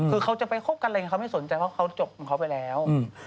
คือเขาจะไปคบกันอะไรอย่างนี้เขาไม่สนใจเพราะเขาจบของเขาไปแล้ว